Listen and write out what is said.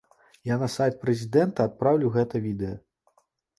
Я на сайт прэзідэнта адпраўлю гэта відэа.